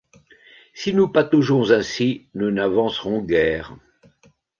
Si nous pataugeons ainsi, nous n’avancerons guère.